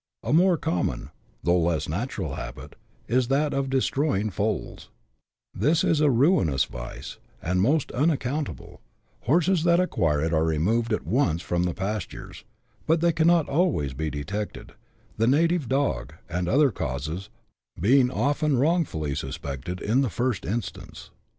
A more common, though less natural habit, is that of destroying foals : this is a ruinous vice, and most unaccountable: horses that acquire it are removed at once from the pastures ; but they cannot always be detected, the native dog, and other causes, being often wrongfully suspected in the first instance.